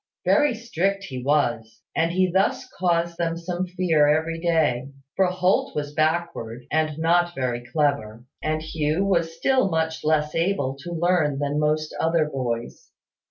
Very strict he was; and he thus caused them some fear every day: for Holt was backward, and not very clever: and Hugh was still much less able to learn than most other boys.